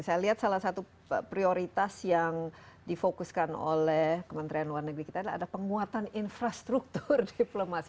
saya lihat salah satu prioritas yang difokuskan oleh kementerian luar negeri kita adalah ada penguatan infrastruktur diplomasi